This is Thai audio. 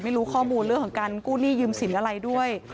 ไม่รู้ข้อมูลเรื่องของการกู้หนี้ยืมสินอะไรด้วย